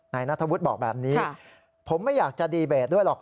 นัทธวุฒิบอกแบบนี้ผมไม่อยากจะดีเบตด้วยหรอก